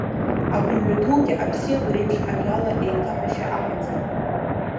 Агәырҩа дугьы, абзиабара еиԥш, ажәала еиҭаҳәашьа амаӡам.